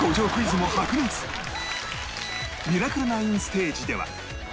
『ミラクル９』ステージでは